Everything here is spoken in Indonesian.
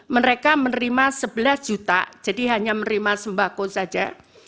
mereka menerima sebelas juta jadi hanya menerima sembako saja